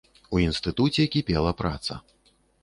У інстытуце кіпела праца.